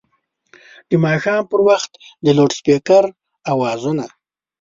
د ماښام پر وخت د لوډسپیکر اوازونه